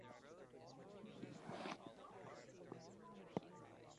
They were defeated by Troy in the first round of the Sun Belt Tournament.